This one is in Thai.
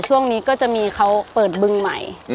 ช่วงนี้ก็จะมีเขาเปิดบึงใหม่